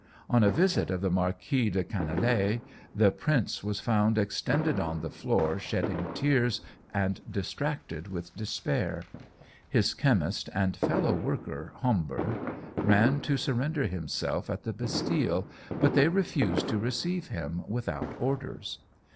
On a visit of the Marquis de Canellae, the prince was found extended on the floor shedding tears, and distracted with despair. His chemist and fellow worker, Homberg, ran to surrender himself at the Bastille, but they refused to receive him without orders.